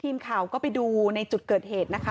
ทีมข่าวก็ไปดูในจุดเกิดเหตุนะคะ